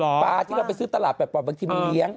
เออปลาที่เราไปซื้อตลาดแบบปล่อยมาชิมเลี้ยง